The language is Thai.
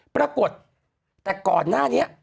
ปรากฏแต่ก่อนหน้านี้